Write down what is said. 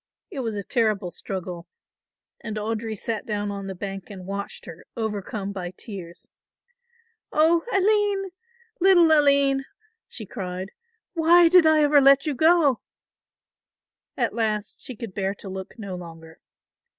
It was a terrible struggle and Audry sat down on the bank and watched her, overcome by tears. "Oh, Aline, little Aline," she cried, "why did I ever let you go?" At last she could bear to look no longer.